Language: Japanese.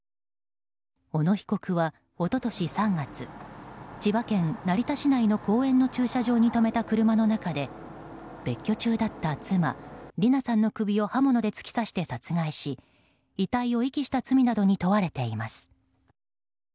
小野被告は、一昨年３月千葉県成田市内の公園の駐車場に止めた車の中で別居中だった妻・理奈さんの首を刃物で突き刺して殺害し遺体を遺棄した罪などに問われています。